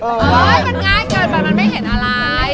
เฮ้ยมันง่ายเกินไปมันไม่เห็นอะไร